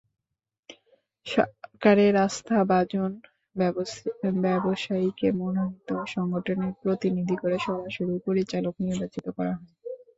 সরকারের আস্থাভাজন ব্যবসায়ীকে মনোনীত সংগঠনেরই প্রতিনিধি করে সরাসরি পরিচালক নির্বাচিত করা হয়।